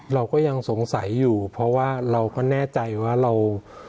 เราก็ยังสงสัยอยู่เพราะว่าเราก็แน่ใจว่าเรา